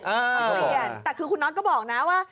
เออเปลี่ยนแต่คือคุณน็อตก็บอกนะว่า